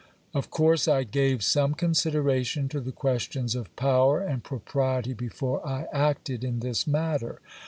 Of course I gave some consideration to the ques tions of power and propriety before I acted in this mat ter.